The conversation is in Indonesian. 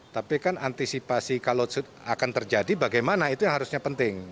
tapi kan antisipasi kalau akan terjadi bagaimana itu yang harusnya penting